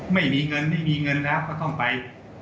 ไม่มีเงินไม่มีเงินแล้วก็ต้องไป